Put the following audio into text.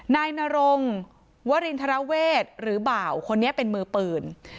นายนรงวรินทรเวศหรือบ่าวคนนี้เป็นมือปืน